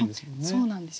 そうなんですよね。